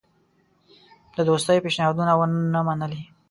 د دوستی پېشنهادونه ونه منلې.